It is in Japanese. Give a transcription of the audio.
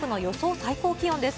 最高気温です。